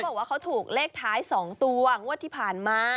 บอกว่าเขาถูกเลขท้าย๒ตัวงวดที่ผ่านมา